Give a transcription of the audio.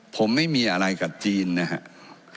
ผมไม่มีอะไรกับจีนนะครับ